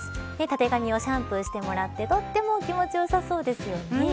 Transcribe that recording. たてがみをシャンプーしてもらってとっても気持ちよさそうですよね。